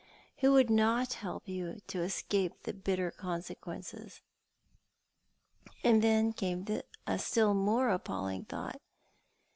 Who would not help you to escape the bitter conseqi; ences ?" And then came a still more appalling thought.